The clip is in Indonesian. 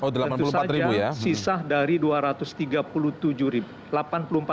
tentu saja sisa dari rp dua ratus tiga puluh tujuh ribu